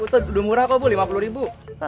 itu udah murah kok bu lima puluh ribu